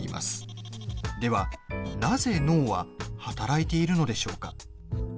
では、なぜ脳は働いているのでしょうか？